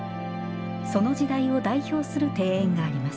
その時代を代表する庭園があります